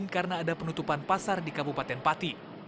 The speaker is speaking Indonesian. karena ada penutupan pasar di kabupaten pati